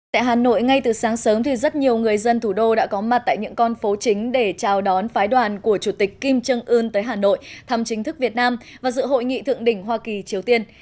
tại hà nội ngay từ sáng sớm rất nhiều người dân thủ đô đã có mặt tại những con phố chính để chào đón phái đoàn của chủ tịch kim trân ưn tới hà nội thăm chính thức việt nam và dự hội nghị thượng đỉnh hoa kỳ triều tiên